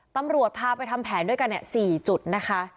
ตำรวจพาไปทำแผนด้วยกัน๔จุดนะคะ